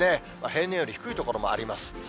平年より低い所もあります。